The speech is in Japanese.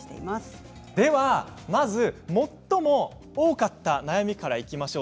では、最も多かったお悩みからいきましょう。